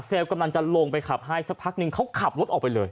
กำลังจะลงไปขับให้สักพักนึงเขาขับรถออกไปเลย